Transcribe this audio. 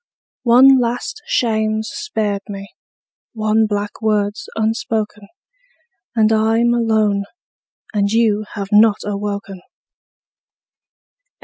One last shame's spared me, one black word's unspoken; And I'm alone; and you have not awoken.